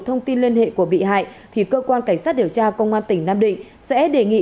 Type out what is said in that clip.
thông tin liên hệ của bị hại thì cơ quan cảnh sát điều tra công an tỉnh nam định sẽ đề nghị